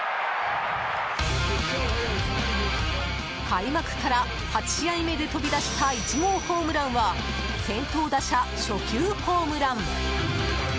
開幕から８試合目で飛び出した１号ホームランは先頭打者初球ホームラン。